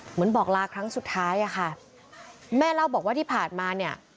บอกลาครั้งสุดท้ายอะค่ะแม่เล่าบอกว่าที่ผ่านมาเนี่ย